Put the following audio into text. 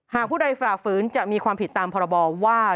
ผู้ใดฝ่าฝืนจะมีความผิดตามพรบว่า